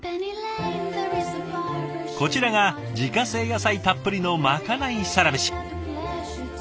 こちらが自家製野菜たっぷりのまかないサラメシ。